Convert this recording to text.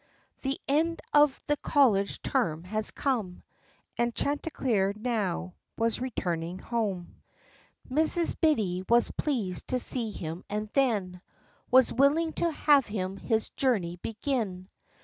The end of the college term had come, And Chanticleer now was returning home. Mrs. Biddy was pleased to see him, and then Was willing to have him his journey begin.